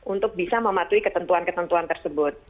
untuk bisa mematuhi ketentuan ketentuan tersebut